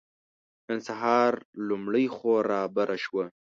نن سهار لومړۍ خور رابره شوه.